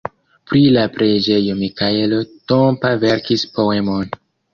Pri la preĝejo Mikaelo Tompa verkis poemon.